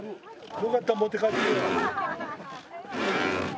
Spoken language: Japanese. よかったら持って帰ってよ。